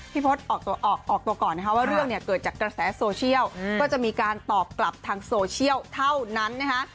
พศออกตัวก่อนนะคะว่าเรื่องเนี่ยเกิดจากกระแสโซเชียลก็จะมีการตอบกลับทางโซเชียลเท่านั้นนะคะ